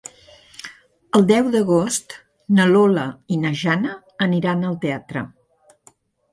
El deu d'agost na Lola i na Jana aniran al teatre.